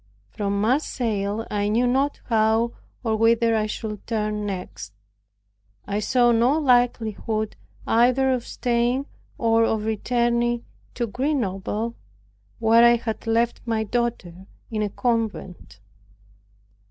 From Marseilles I knew not how or whither I should turn next. I saw no likelihood either of staying or of returning to Grenoble, where I had left my daughter in a convent.